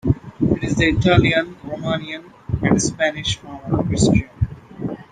It is the Italian, Romanian and Spanish form of Christian.